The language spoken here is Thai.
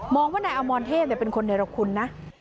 มองว่านายอมรเทพเนี่ยเป็นคนในรกคุณนะ